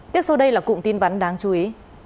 tiếp sau đây là cụm tin vắn đáng chú ý